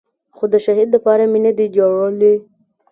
خو د شهيد دپاره مې نه دي جړلي.